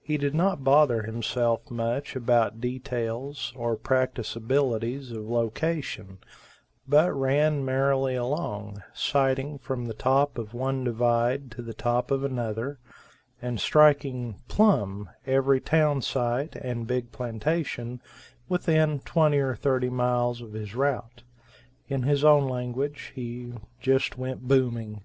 He did not bother himself much about details or practicabilities of location, but ran merrily along, sighting from the top of one divide to the top of another, and striking "plumb" every town site and big plantation within twenty or thirty miles of his route. In his own language he "just went booming."